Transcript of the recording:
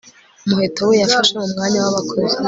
Umuheto we yafashe mu mwanya wabakozi